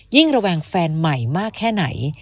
ระแวงแฟนใหม่มากแค่ไหน